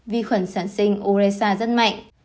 vi khuẩn sản sinh uresa rất mạnh